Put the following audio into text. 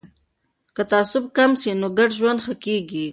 که تعصب کم سي نو ګډ ژوند ښه کیږي.